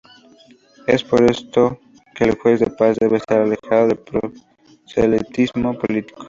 Es por esto que el juez de paz debe estar alejado del proselitismo político.